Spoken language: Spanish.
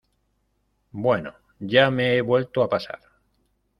bueno, ya me he vuelto a pasar.